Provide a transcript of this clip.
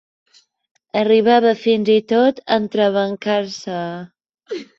Arribava fins i tot a entrebancar-se.